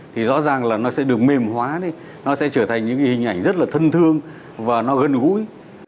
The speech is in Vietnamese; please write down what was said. thì rõ ràng là nó sẽ được mềm hóa đi nó sẽ trở thành những hình ảnh rất là thân thương và nó gần gũi